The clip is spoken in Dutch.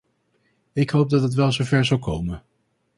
Ik hoop dat het wel zo ver zal komen.